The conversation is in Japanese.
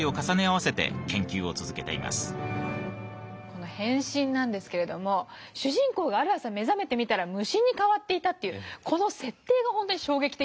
この「変身」なんですけれども主人公がある朝目覚めてみたら虫に変わっていたというこの設定が本当に衝撃的で。